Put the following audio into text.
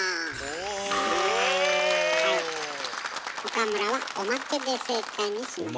岡村はおまけで正解にしました。